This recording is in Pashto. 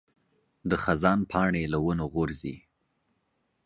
د خزان پاڼې له ونو غورځي.